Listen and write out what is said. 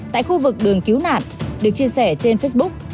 tại khu vực đường cứu nạn được chia sẻ trên facebook